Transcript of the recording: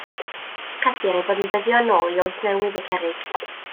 Credir eu bod yn dyddio yn ôl i Oes Newydd y Cerrig.